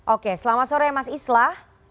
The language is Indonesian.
oke selamat sore mas islah